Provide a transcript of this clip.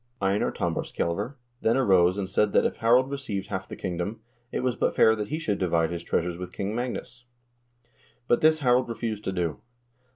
Einar Tambarskjselver then arose and said that if Harald received half the kingdom, it was but fair that he should divide his treasures with King Magnus ; but this Harald refused to do.